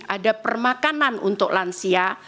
ada permakanan untuk lansia